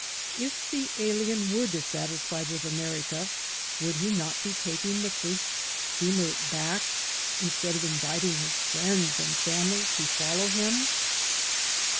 If the alien were dis satisfied with America, would he not be taking the first steamer back instead of inviting his friends and family to follow him?